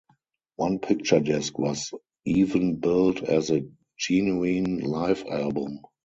One picture disc was even billed as a genuine live album.